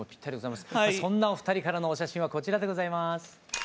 そんなお二人からのお写真はこちらでございます。